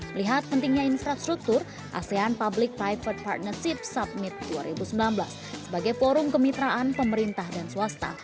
melihat pentingnya infrastruktur asean public private partnership summit dua ribu sembilan belas sebagai forum kemitraan pemerintah dan swasta